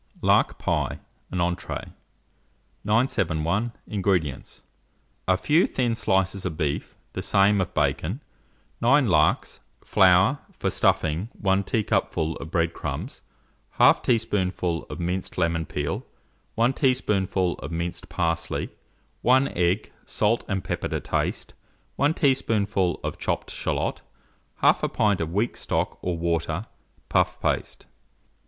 LARK PIE (an Entree). 971. INGREDIENTS. A few thin slices of beef, the same of bacon, 9 larks, flour; for stuffing, 1 teacupful of bread crumbs, 1/2 teaspoonful of minced lemon peel, 1 teaspoonful of minced parsley, 1 egg, salt and pepper to taste, 1 teaspoonful of chopped shalot, 1/2 pint of weak stock or water, puff paste.